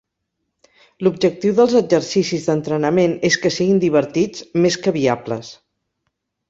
L'objectiu dels exercicis d'entrenament és que siguin divertits, més que viables.